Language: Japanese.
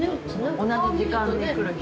同じ時間に来る人。